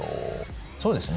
そうですね。